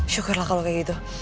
syukurlah kalau kayak gitu